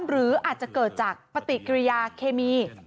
หรืออาจจะเกิดจากปฏิกิริยาเคมี